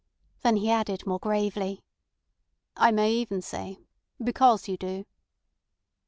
Then he added more gravely: "I may even say—because you do."